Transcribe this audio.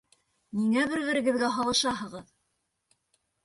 Ниңә бер-берегеҙгә һалышаһығыҙ!